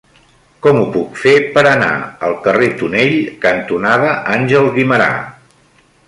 Com ho puc fer per anar al carrer Tonell cantonada Àngel Guimerà?